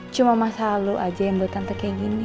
cuma masa lalu aja yang buat tante kayak gini